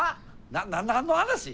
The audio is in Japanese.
な何の話？